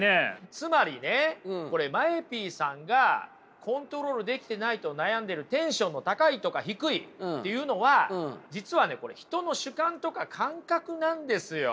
つまりねこれＭＡＥＰさんがコントロールできてないと悩んでるテンションの高いとか低いっていうのは実はね人の主観とか感覚なんですよ。